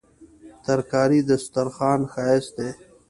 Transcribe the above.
ترکاري د سترخوان ښايست دی